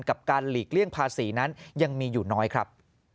กับการหลีกเลี่ยงภาษีนั้นยังมีอยู่น้อยครับ